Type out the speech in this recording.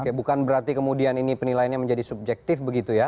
oke bukan berarti kemudian ini penilaiannya menjadi subjektif begitu ya